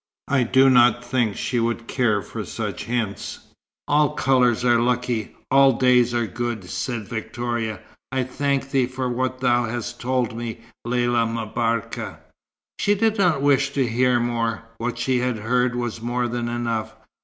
I do not think she would care for such hints." "All colours are lucky. All days are good," said Victoria. "I thank thee for what thou hast told me, Lella M'Barka." She did not wish to hear more. What she had heard was more than enough.